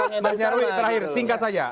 mas nyarwi terakhir singkat saja